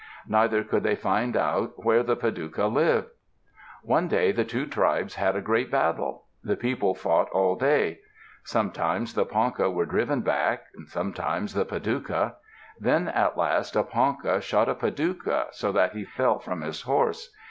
Neither could they find out where the Padouca lived. One day the two tribes had a great battle. The people fought all day. Sometimes the Ponca were driven back, sometimes the Padouca. Then at last a Ponca shot a Padouca so that he fell from his horse.